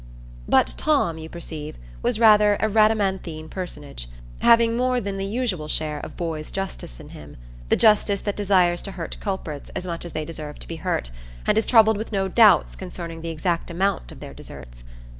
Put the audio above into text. But Tom, you perceive, was rather a Rhadamanthine personage, having more than the usual share of boy's justice in him,—the justice that desires to hurt culprits as much as they deserve to be hurt, and is troubled with no doubts concerning the exact amount of their deserts.